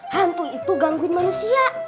hantu itu gangguin manusia